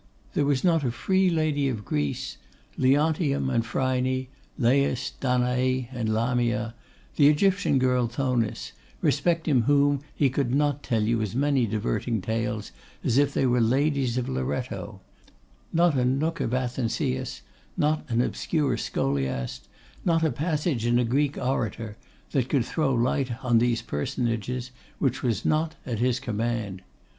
There was not a free lady of Greece, Leontium and Phryne, Lais, Danae, and Lamia, the Egyptian girl Thonis, respecting whom he could not tell you as many diverting tales as if they were ladies of Loretto; not a nook of Athenseus, not an obscure scholiast, not a passage in a Greek orator, that could throw light on these personages, which was not at his command.